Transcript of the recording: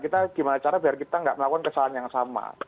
kita gimana cara biar kita nggak melakukan kesalahan yang sama